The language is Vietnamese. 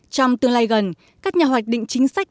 trong tương lai gần các nhà hoạch định chính sách